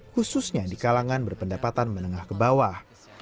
khususnya di kalangan berpendapatan menengah ke bawah